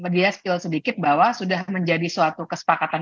dia skill sedikit bahwa sudah menjadi suatu kesepakatan